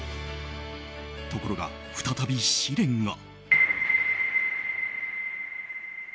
ところが再び試練が。